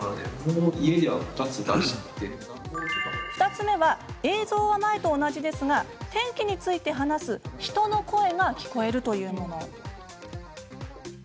２つ目は、映像は前と同じですが天気について話す人の声が聞こえるもの。